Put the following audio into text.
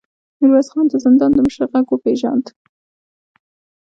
ميرويس خان د زندان د مشر غږ وپېژاند.